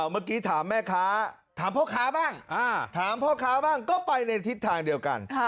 เมื่อกี้ถามแม่คะถามพ่อค้าบ้างก็ไปในทิศทางเดียวกัน